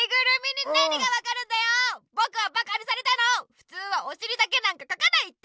ふつうはおしりだけなんかかかないって。